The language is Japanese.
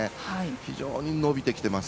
非常に伸びてきています。